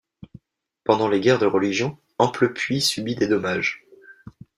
Pendant les guerres de religion, Amplepuis subit des dommages.